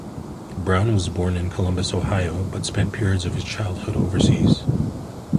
Brown was born in Columbus, Ohio, but spent periods of his childhood overseas.